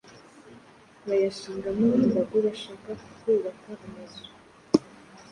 bayashingamo imbago bashaka kuhubaka amazu.